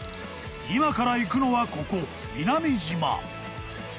［今から行くのはここ］